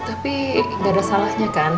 tapi gak ada salahnya kan